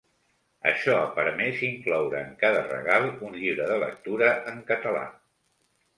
Això ha permès incloure en cada regal un llibre de lectura en català.